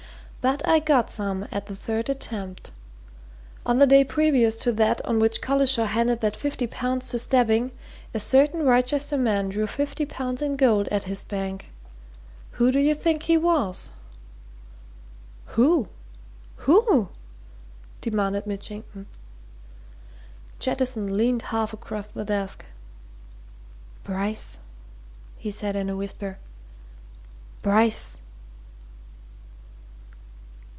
But I got some at the third attempt. On the day previous to that on which Collishaw handed that fifty pounds to Stebbing, a certain Wrychester man drew fifty pounds in gold at his bank. Who do you think he was?" "Who who?" demanded Mitchington. Jettison leaned half across the desk. "Bryce!" he said in a whisper. "Bryce!"